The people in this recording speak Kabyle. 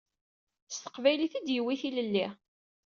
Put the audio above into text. S teqbaylit i d-yewwi tilelli.